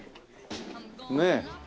ねえ。